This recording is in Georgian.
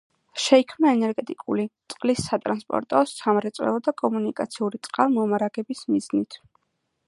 შეიქმნა ენერგეტიკული, წყლის სატრანსპორტო, სამრეწველო და კომუნიკაციური წყალმომარაგების მიზნით.